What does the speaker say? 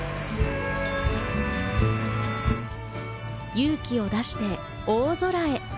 勇気を出して大空へ。